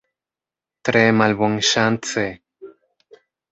Tre malbonŝance.